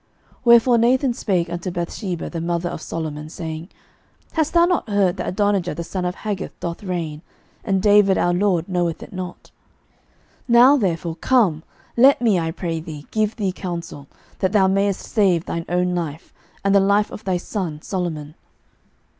11:001:011 Wherefore Nathan spake unto Bathsheba the mother of Solomon, saying, Hast thou not heard that Adonijah the son of Haggith doth reign, and David our lord knoweth it not? 11:001:012 Now therefore come, let me, I pray thee, give thee counsel, that thou mayest save thine own life, and the life of thy son Solomon.